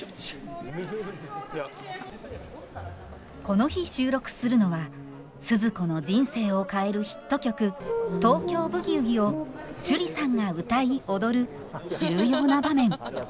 この日収録するのはスズ子の人生を変えるヒット曲「東京ブギウギ」を趣里さんが歌い踊る重要な場面。